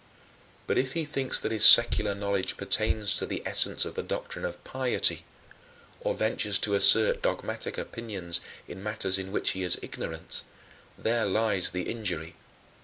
But if he thinks that his secular knowledge pertains to the essence of the doctrine of piety, or ventures to assert dogmatic opinions in matters in which he is ignorant there lies the injury.